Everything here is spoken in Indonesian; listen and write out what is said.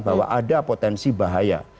bahwa ada potensi bahaya